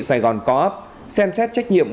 sài gòn co op xem xét trách nhiệm